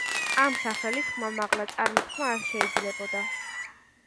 ამ სახელის ხმამაღლა წარმოთქმა არ შეიძლებოდა.